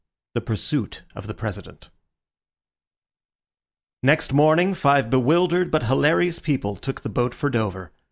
THE PURSUIT OF THE PRESIDENT Next morning five bewildered but hilarious people took the boat for Dover.